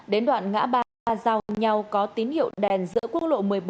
đến đoạn ngã ba giao nhau có tín hiệu đèn giữa quốc lộ một mươi bốn